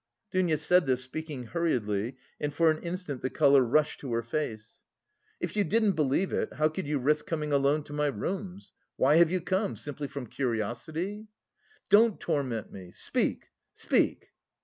Dounia said this, speaking hurriedly, and for an instant the colour rushed to her face. "If you didn't believe it, how could you risk coming alone to my rooms? Why have you come? Simply from curiosity?" "Don't torment me. Speak, speak!"